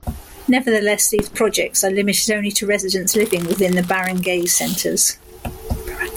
Nevertheless, these projects are limited only to residents living within the barangay centers.